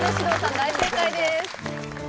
大正解です